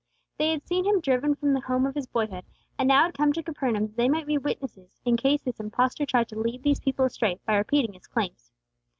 They had seen Him driven from the home of His boyhood, and now had come to Capernaum that they might be witnesses in case this impostor tried to lead these people astray by repeating His claims.